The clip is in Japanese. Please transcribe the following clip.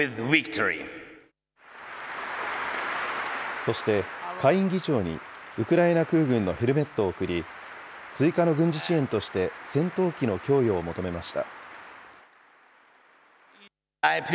そして、下院議長にウクライナ空軍のヘルメットを贈り、追加の軍事支援として、戦闘機の供与を求めました。